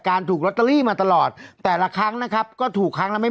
ถูกลอตเตอรี่มาตลอดแต่ละครั้งนะครับก็ถูกครั้งละไม่